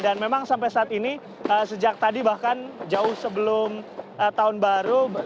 dan memang sampai saat ini sejak tadi bahkan jauh sebelum tahun baru